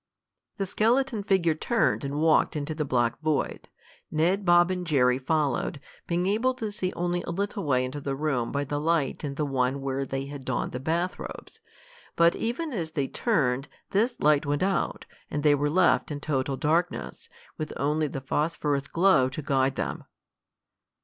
The skeleton figure turned and walked into the black void. Ned, Bob and Jerry followed, being able to see only a little way into the room by the light in the one where they had donned the bath robes. But, even as they turned, this light went out, and they were left in total darkness, with only the phosphorus glow to guide them.